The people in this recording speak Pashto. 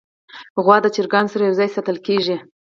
غوا د چرګانو سره یو ځای ساتل کېږي.